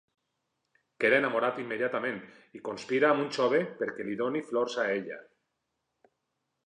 Queda enamorat immediatament i conspira amb un jove perquè li doni flors a ella.